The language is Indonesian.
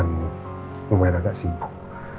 kemarin kan lumayan agak sibuk